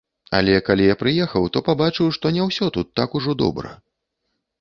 Але калі я прыехаў, то пабачыў, што не ўсё тут так ужо добра.